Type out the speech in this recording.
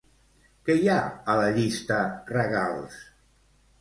Què hi ha a la llista "regals"?